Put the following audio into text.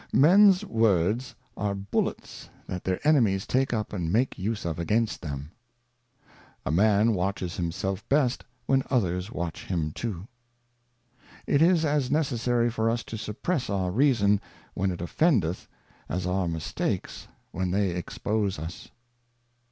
Mens Words are Bullets that their Enemies take up and make use of against them. ."^TMan watches himself best when others watch him too. It is as necessary for us to suppress our Reason when it offendeth, as our Mistakes when they expose us.